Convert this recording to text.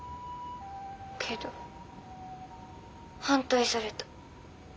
けど反対された。